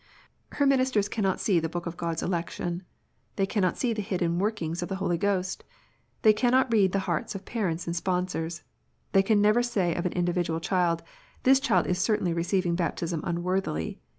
Her ministers cannot see the book of God s election. They cannot see the hidden workings of the Holy Ghost. They cannot read the hearts of parents and sponsors. They can never say of any individual child, "This child is certainly receiving baptism unworthily."